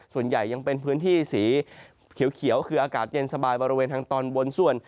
ส่วนใหญ่ยังเป็นพื้นที่สีเขียวคืออากาศเย็นสบายบริเวณทางตอนบนส่วน